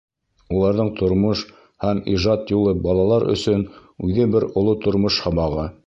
Уларҙың тормош һәм ижад юлы балалар өсөн үҙе бер оло тормош һабағы.